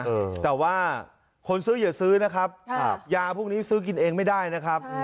เออแต่ว่าคนซื้ออย่าซื้อนะครับครับยาพวกนี้ซื้อกินเองไม่ได้นะครับ